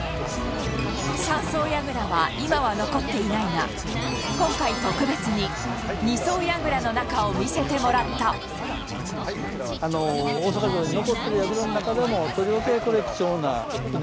三層櫓は、今は残っていないが今回、特別に二層櫓の中を見せてもらった北川さん：大阪城に残ってる櫓の中でもとりわけ貴重な乾櫓。